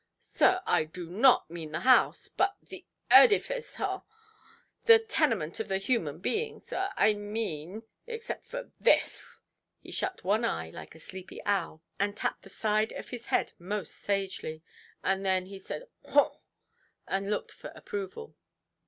"Sir, I do not mean the house—but the edifice, haw!—the tenement of the human being. Sir, I mean, except just this". He shut one eye, like a sleepy owl, and tapped the side of his head most sagely; and then he said "Haw"! and looked for approval.